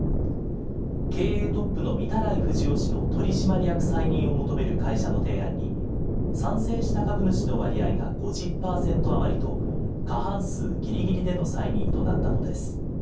経営トップの御手洗冨士夫氏の取締役再任を求める会社の提案に、賛成した株主の割合が５０％余りと、過半数ぎりぎりでの再任となったのです。